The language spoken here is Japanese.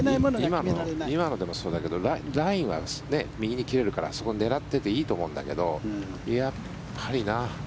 今のもそうだけどラインは右に切れるからあそこ、狙っていっていいと思うんだけど、やっぱりな。